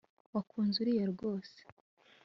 wakunze uriya rwose